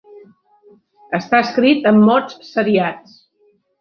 Està escrit amb mots seriats.